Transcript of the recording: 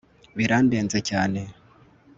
birandenze cyane